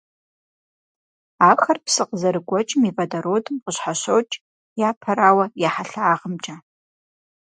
Ахэр псы къызэрыгуэкӀым и водородым къыщхьэщокӀ, япэрауэ, я хьэлъагъымкӀэ.